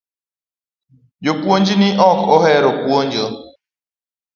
Japuonj ni ok ohero puonjo